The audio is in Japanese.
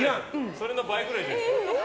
それの倍ぐらいじゃないですか。